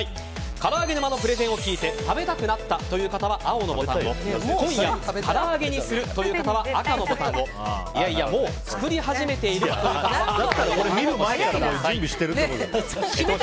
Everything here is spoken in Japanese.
から揚げ沼のプレゼンを聞いて食べたくなったという方は青のボタンを今夜から揚げにするという方は赤のボタンをいやいや、もう作り始めているという方は緑のボタンを押してください。